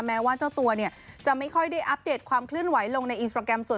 แม้ว่าเจ้าตัวจะไม่ค่อยได้อัปเดตความคลื่นไหว